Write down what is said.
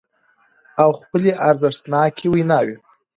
او خپلې ارزښتناکې ويناوې